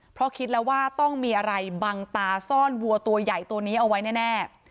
เพราะคิดแล้วว่าต้องมีอะไรบังตาซ่อนวัวตัวใหญ่ตัวนี้เอาไว้แน่